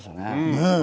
ねえ。